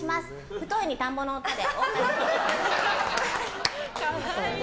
太いに田んぼの田で。